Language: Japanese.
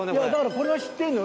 これは知ってんのよ